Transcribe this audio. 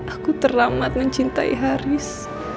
aku teramat mencintai haris